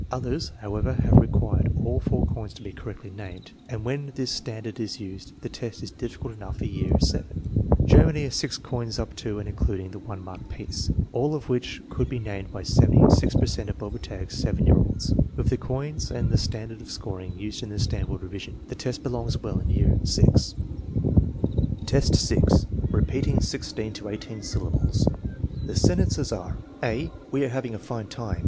Others, however, have required all four coins to be correctly named, and when this standard is used the test is difficult enough for year VII. Germany has six coins up to and including the 1 mark piece, all of which could be named by 76 per cent of Bobertag's 7 year olds. With the coins and the standard of scoring used in the Stanford revision the test belongs well in year VI. 6. Repeating sixteen to eighteen syllables The sentences are: (a) "We are having a fine time.